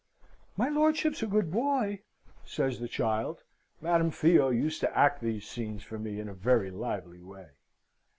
"My lordship's a good boy," says the child. (Madam Theo used to act these scenes for me in a very lively way.)